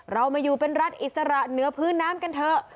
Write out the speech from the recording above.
เรามาอยู่เป็นรัฐอิสระเหนือพื้นน้ำกันเถอะ